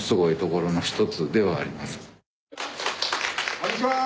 お願いします。